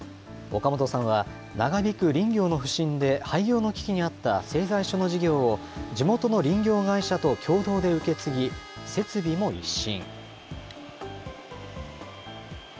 岡元さんは、長引く林業の不振で廃業の危機にあった製材所の事業を、地元の林業会社と共同で受け継ぎ、設備も一新。